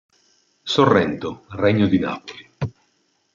Sorrento, Regno di Napoli.